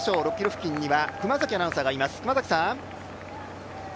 ６ｋｍ付近には熊崎アナウンサーがいます。